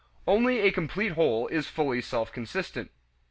Only a complete whole is fully self consistent.